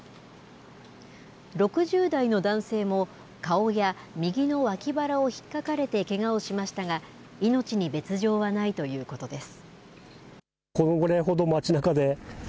６０代の男性も顔や右の脇腹をひっかかれてけがをしましたが命に別状はないということです。